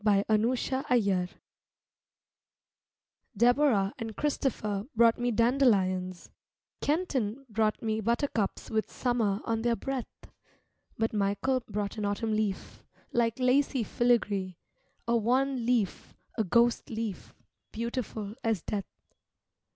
Vigils TRIBUTE Deborah and Christopher brought me dandelions, Kenton brought me buttercups with summer on their breath, But Michael brought an autumn leaf, like lacy filigree, A wan leaf, a ghost leaf, beautiful as death.